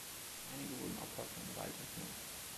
Einige wurden Opfer von Gewalt und Not.